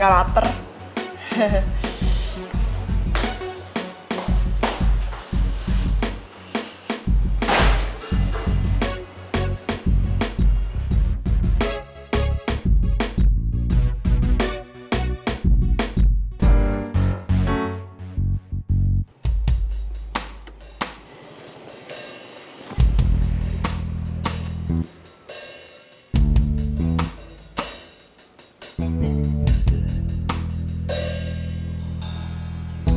mas pergi dulu ya